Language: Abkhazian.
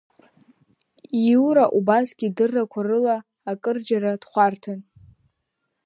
Иура убасгьы идыррақәа рыла акырџьара дхәарҭан.